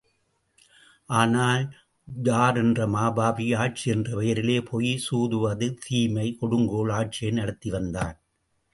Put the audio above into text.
ஆனால், ஜார் என்ற மாபாவி ஆட்சி என்ற பெயரிலே, பொய், சூதுவது, தீமை, கொடுங்கோல், ஆட்சியை நடத்தி வந்தான்.